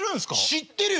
知ってるよ